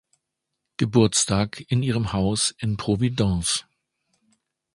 Geburtstag in ihrem Haus in Providence.